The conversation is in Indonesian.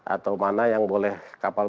atau mana yang boleh kapal